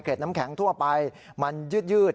น้ำแข็งทั่วไปมันยืด